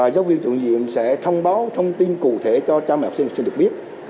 giáo viên trụ nhiệm sẽ thông báo thông tin cụ thể cho trang mạng học sinh được biết